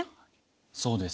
そうです。